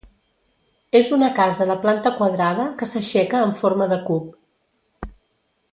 És una casa de planta quadrada que s'aixeca en forma de cub.